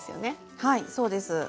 はいそうです。